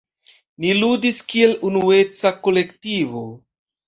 Ni ludis kiel unueca kolektivo.